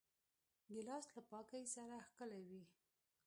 ګیلاس له پاکۍ سره ښکلی وي.